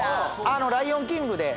『ライオン・キング』で。